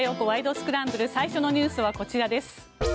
スクランブル」最初のニュースはこちらです。